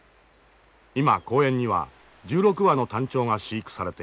今公園には１６羽のタンチョウが飼育されている。